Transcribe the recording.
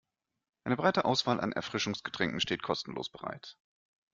Eine breite Auswahl an Erfrischungsgetränken steht kostenlos bereit.